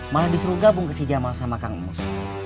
malah disuruh gabung ke si jamal sama kang mus